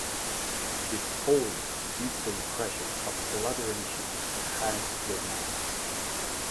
These "holes" give the impression of a labyrinth, hence the name.